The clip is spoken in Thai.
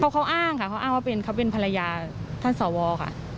เขาอ้างค่ะเขาอ้างว่าเป็นเขาเป็นภรรยาท่านสวค่ะ